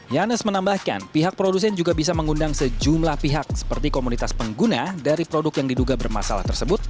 yohannes menambahkan pihak produsen juga bisa mengundang sejumlah pihak seperti komunitas pengguna dari produk yang diduga bermasalah tersebut